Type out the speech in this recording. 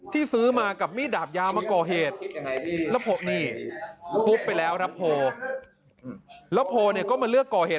ที่ซื้อมากับมีดดาบยามาก่อเหตุและพูดอยู่ไปแล้วดรโภและโภเนี่ยก็มาเลือกก่อเหตุ